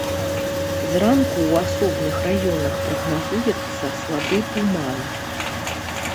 Зранку ў асобных раёнах прагназуецца слабы туман.